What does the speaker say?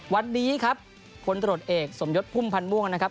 วันนี้ครับคนตรวจเอกสมยศพุ่มพันธ์ม่วงนะครับ